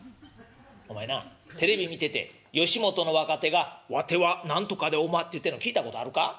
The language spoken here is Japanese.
「お前なテレビ見てて吉本の若手が『わては何とかでおま』って言うてんの聞いたことあるか？